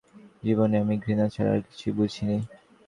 জীবনে আমি ঘৃণা ছাড়া আর কিছুই বুঝিনি।